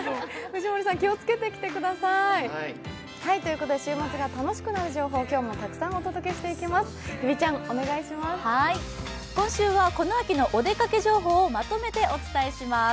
藤森さん、気をつけて来てください。ということで、週末が楽しくなる情報を今日もたくさんお届けしていきます。